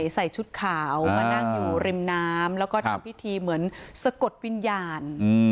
ใส่ชุดขาวมานั่งอยู่ริมน้ำแล้วก็ทำพิธีเหมือนสะกดวิญญาณ